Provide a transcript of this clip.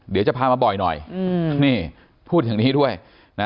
เดี๋ยวจะพามาบ่อยหน่อยนี่พูดอย่างนี้ด้วยนะ